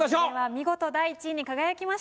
見事第１位に輝きました